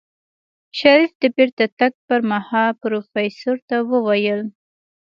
شريف د بېرته تګ پر مهال پروفيسر ته وويل.